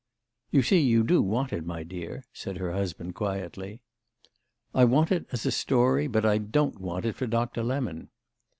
"You see you do want it, my dear," said her husband quietly. "I want it as a story, but I don't want it for Doctor Lemon."